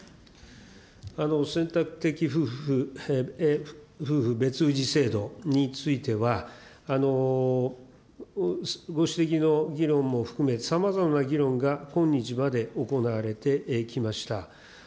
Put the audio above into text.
選択的夫婦別氏制度については、ご指摘の議論も含め、さまざまな議論が今日まで行われてきました。